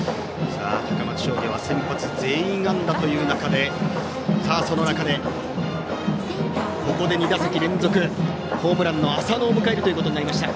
高松商業は先発全員安打という中でここで２打席連続ホームランの浅野を迎えることになりました。